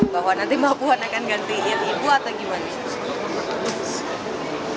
bahwa nanti mbak puan akan gantiin ibu atau gimana